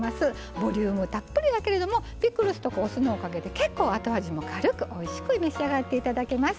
ボリュームたっぷりだけれどもピクルスとお酢のおかげで結構後味も軽くおいしく召し上がって頂けます。